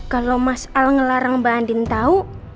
kalau mas al ngelarang mba andin tau